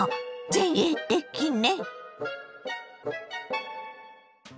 前衛的ね。